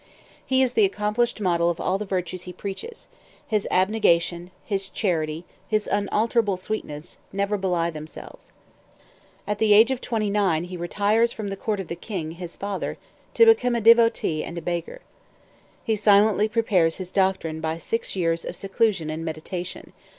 He is the accomplished model of all the virtues he preaches; his abnegation, his charity, his unalterable sweetness, never belie themselves. At the age of twenty nine he retires from the court of the king, his father, to become a devotee and a beggar. He silently prepares his doctrine by six years of seclusion and meditation.